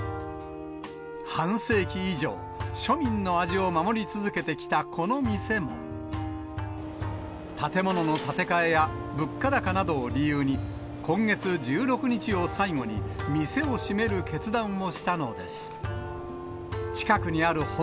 半世紀以上、庶民の味を守り続けてきたこの店も、建物の建て替えや物価高などを理由に、今月１６日を最後に、店を閉める決断をしたのです。